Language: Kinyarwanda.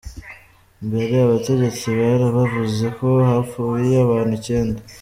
Mbere abategetsi bari bavuze ko hapfuye abantu icyenda.